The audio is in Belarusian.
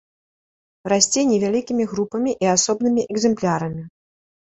Расце невялікімі групамі і асобнымі экземплярамі.